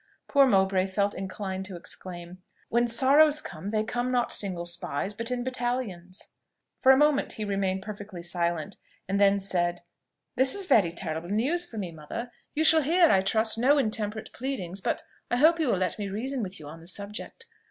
Poor Mowbray felt inclined to exclaim, "When sorrows come, they come not single spies, But in battalions." For a moment he remained perfectly silent, and then said, "This is very terrible news for me, mother. You shall hear, I trust, no intemperate pleadings, but I hope you will let me reason with you on the subject.